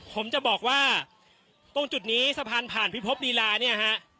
ผมจะบอกว่าตรงจุดนี้สะพานผ่านพิภพลีลาเนี่ยฮะ